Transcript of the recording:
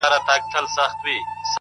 علم د پرمختګ محرک دی؛